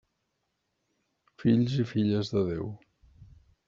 Fills i filles de Déu.